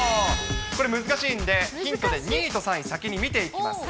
これ、難しいんで、ヒントで２位と３位、先に見ていきます。